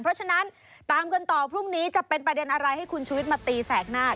เพราะฉะนั้นตามกันต่อพรุ่งนี้จะเป็นประเด็นอะไรให้คุณชุวิตมาตีแสกหน้า